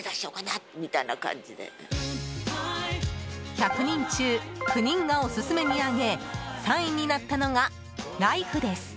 １００人中９人がオススメに挙げ３位になったのがライフです。